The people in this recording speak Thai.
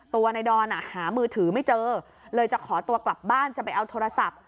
ตัวในดอนหามือถือไม่เจอเลยจะขอตัวกลับบ้านจะไปเอาโทรศัพท์